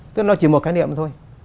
thế nó chỉ một khái niệm thôi